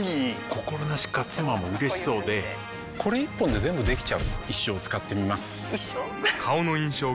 心なしか妻も嬉しそうでこれ一本で全部できちゃう一生使ってみます一生？